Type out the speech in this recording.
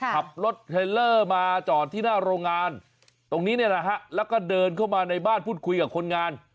ขับรถเทลเลอร์มาจอดที่หน้าโรงงานตรงนี้เนี่ยนะฮะแล้วก็เดินเข้ามาในบ้านพูดคุยกับคนงาน